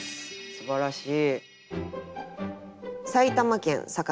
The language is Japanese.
すばらしい！